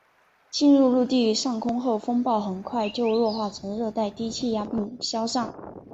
进入陆地上空后风暴很快就弱化成热带低气压并消散。